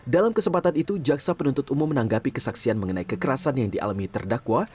dalam kesempatan itu jaksa penuntut umum menanggapi kesaksian mengenai kekerasan yang dialami terdakwa